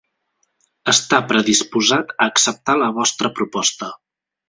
Està predisposat a acceptar la vostra proposta.